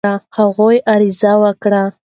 هغو عرض وكړ: